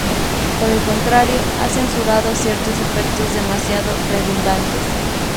Por el contrario, ha censurado ciertos efectos demasiado redundantes.